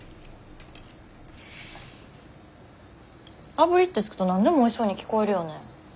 あぶりって付くと何でもおいしそうに聞こえるよね。